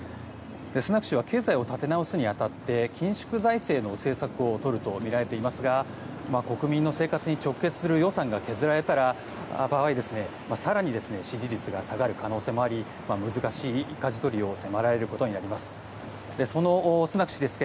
スナク氏は経済を立て直すに当たって緊縮財政の制裁を取るとみられていますが国民の生活に直結する予算が削られた場合更に支持率が下がる可能性もあり難しいかじ取りを迫られることになりそうです。